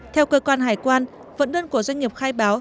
theo cơ quan hải quan vận đơn của doanh nghiệp khai báo